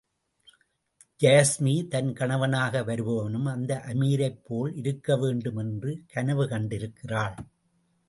யாஸ்மி, தன் கணவனாக வருபவனும் அந்த அமீரைப் போல் இருக்கவேண்டுமென்று கனவு கண்டிருக்கிறாள்.